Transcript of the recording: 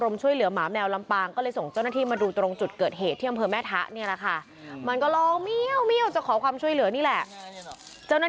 ขึ้นไปยังไงแล้วเนี่ยสีเทา